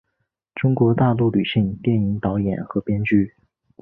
中国大陆女性电影导演和编剧。